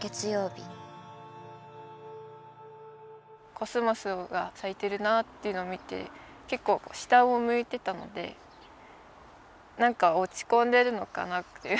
コスモスが咲いてるなっていうのを見て結構下を向いてたので何か落ち込んでるのかなって。